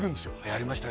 やりました